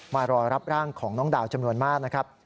มารอรับร่างของน้องดาวจำนวนมากนะครับ